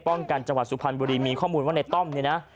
จังหวัดสุพรรณบุรีมีข้อมูลว่าในต้อมเนี่ยนะ